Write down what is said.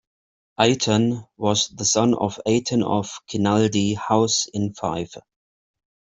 Ayton was the son of Ayton of Kinaldie House in Fife.